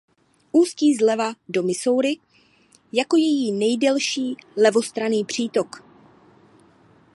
Ústí zleva do Missouri jako její nejdelší levostranný přítok.